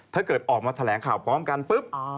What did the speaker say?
ถ้าเกิดออกมาแถลงข่าวพร้อมกันปุ๊บ